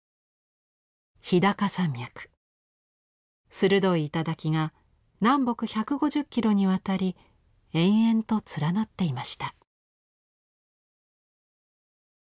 鋭い頂が南北１５０キロにわたり延々と連なっていました。